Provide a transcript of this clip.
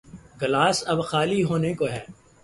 Glass اب خالی ہونے کو ہے۔